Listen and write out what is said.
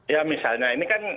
ya misalnya ini kan